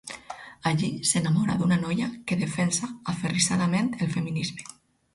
Allí s’enamora d’una noia que defensa aferrissadament el feminisme.